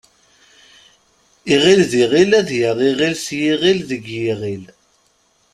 Iɣil d iɣil ad yaɣ iɣil s yiɣil deg yiɣil.